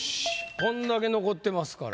こんだけ残ってますから。